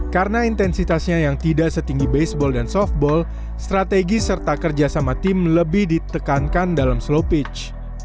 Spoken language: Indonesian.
karena intensitasnya yang tidak setinggi baseball dan softball strategi serta kerja sama tim lebih ditekankan dalam slowpitch